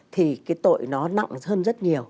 thì cái tội nó nặng hơn rất nhiều